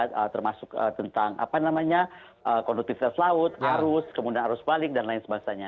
termasuk tentang apa namanya kondutivitas laut arus kemudian arus balik dan lain sebagainya